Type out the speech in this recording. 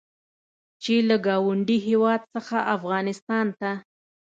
چې له ګاونډي هېواد څخه افغانستان ته